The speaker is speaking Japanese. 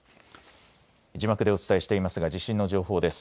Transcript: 字幕でお伝えしていますが地震の情報です。